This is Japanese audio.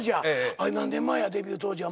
あれ何年前やデビュー当時は。